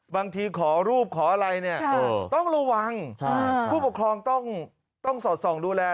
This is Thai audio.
ขอรูปขออะไรเนี่ยต้องระวังผู้ปกครองต้องสอดส่องดูแล